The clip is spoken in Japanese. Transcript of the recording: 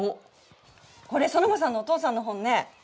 これソノマさんのお父さんの本ね。